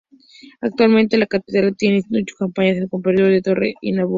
Actualmente la catedral tiene ocho campanas en su campanario de torre inacabado.